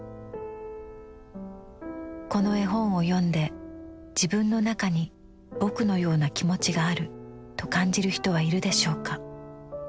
「この絵本を読んで自分のなかに『ぼく』のような気持ちがあるとかんじる人はいるでしょうか。